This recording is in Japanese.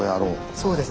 そうですね。